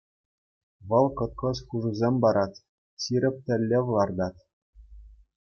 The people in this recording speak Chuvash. Вӑл кӑткӑс хушусем парать, ҫирӗп тӗллев лартать.